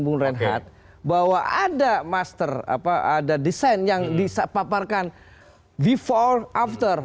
guren hat bahwa ada master apa ada design yang bisa papa hai before after really after afternya